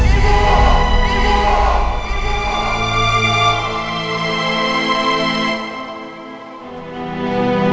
jangan bawa dia